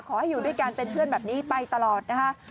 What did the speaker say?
ขอให้อยู่ด้วยกันเป็นเพื่อนแบบนี้ไปตลอดนะคะ